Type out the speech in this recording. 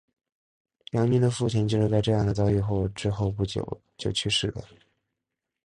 杨君的父亲就是在这样的遭遇之后不久就去世的。